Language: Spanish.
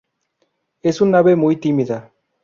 Es un ave muy tímida.